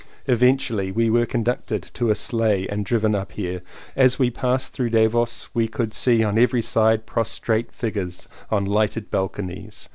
Eventually we were conducted to a sleigh and driven up here. As we passed through Davos we could see on every side prostrate figures on lighted balconies.